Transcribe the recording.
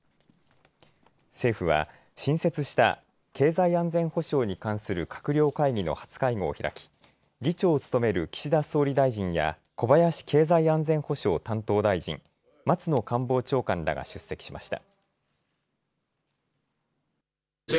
政府は新設した経済安全保障に関する閣僚会議の初会合を開き議長を務める岸田総理大臣や小林経済安全保障担当大臣、松野官房長官らが出席しました。